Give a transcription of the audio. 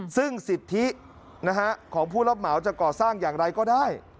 ซึ่งสิทธิของผู้รับเหมาจะก่อสร้างอย่างไรก็ได้